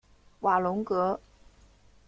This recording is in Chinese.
瓦龙格。